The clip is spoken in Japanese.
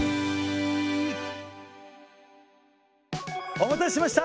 お待たせしました。